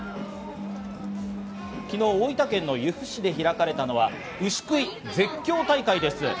昨日、大分県の由布市で開かれたのは牛喰い絶叫大会です。